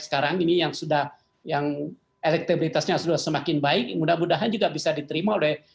sekarang ini yang sudah yang elektabilitasnya sudah semakin baik mudah mudahan juga bisa diterima oleh